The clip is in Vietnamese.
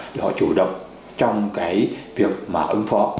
để họ chủ động trong cái việc mà âm phỏ